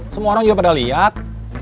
semua orang juga pada lihat